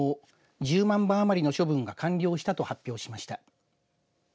１０万羽余りの処分が完了したと発表しました。